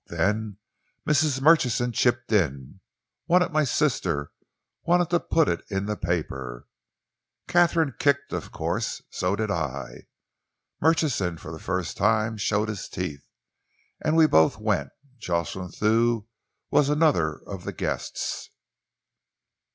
Then Mrs. Murchison chipped in wanted my sister, wanted to put it in the paper. Katharine kicked, of course. So did I. Murchison for the first time showed his teeth and we both went. Jocelyn Thew was another of the guests."